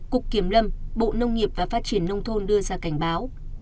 cục kiểm lâm bộ nông nghiệp và phát triển nông thôn đưa ra cảnh báo